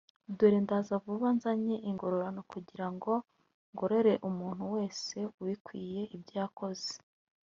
“Dore ndaza vuba nzanye ingororano kugira ngo ngororere umuntu wese ibikwiriye ibyo yakoze